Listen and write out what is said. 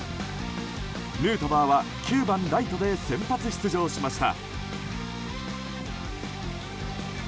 ヌートバーは９番ライトで先発出場しました。